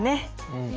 うん。